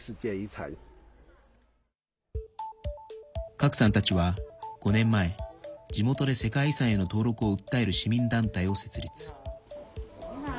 郭さんたちは５年前地元で世界遺産への登録を訴える市民団体を設立。